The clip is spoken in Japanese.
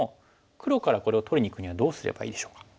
黒からこれを取りにいくにはどうすればいいでしょうか？